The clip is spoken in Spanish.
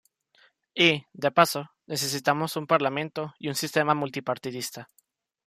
Y, de paso, necesitamos un parlamento y un sistema multipartidista.